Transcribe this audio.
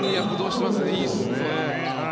いいですね。